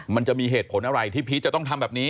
มันจะมีเหตุผลอะไรที่พีชจะต้องทำแบบนี้